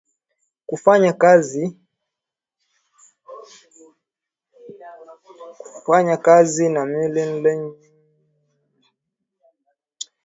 kufanya kazi na prodyuza Marlone Linje nilipata kazi kubwa Marlone alikuwa akirekodi muziki